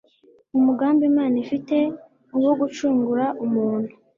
Umugambi Imana ifite ni uwo gucungura umuntu,